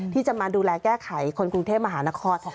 ที่จะมาดูแลแก้ไขคนกรุงเทพมหานคร